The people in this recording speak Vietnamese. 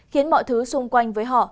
khiến mọi thứ xung quanh với họ